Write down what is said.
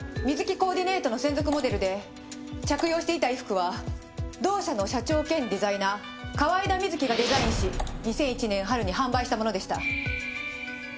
コーディネートの専属モデルで着用していた衣服は同社の社長兼デザイナー河井田瑞希がデザインし２００１年春に販売したものでした。